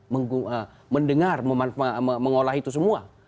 mendengar mengolahi itu semua